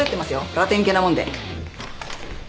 ラテン系なもんで。